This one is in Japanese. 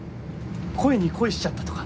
声に恋しちゃったとか？